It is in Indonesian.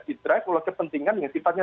didrive oleh kepentingan yang sifatnya